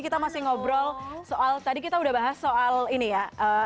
kita masih ngobrol soal tadi kita udah bahas soal ini ya